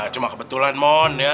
cuma kebetulan mon